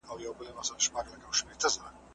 تاسو باید په خپلو څېړنو کې رښتیني اوسئ.